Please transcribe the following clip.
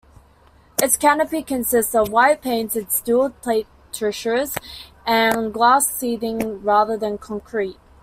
Its canopy consists of white-painted, steel plate trusses and glass sheathing rather than concrete.